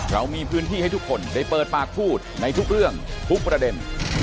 เรามีพื้นที่ให้ทุกคนได้เปิดปากพูดในทุกเรื่องทุกประเด็น